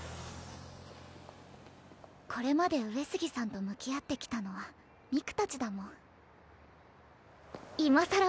これまで上杉さんと向き合ってきたのは三玖達だもん今さら